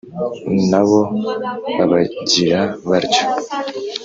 na bo babagira batyo